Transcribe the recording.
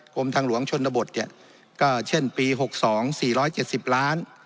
กลมทางหลวงชนบทเนี้ยก็เช่นปีหกสองสี่ร้อยเจ็ดสิบล้าน